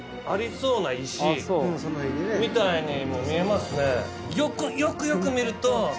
みたいにも見えますね。